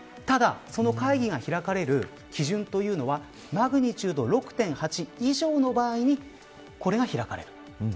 ただ、その会議が開かれる基準というのはマグニチュード６．８以上の場合にこれが開かれる。